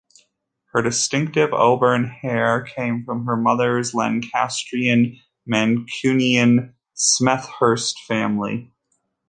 Her distinctive auburn hair came from her mother's Lancastrian Mancunian Smethurst family.